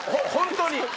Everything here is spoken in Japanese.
本当に。